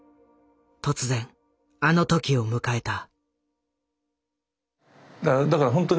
突然あの時を迎えた。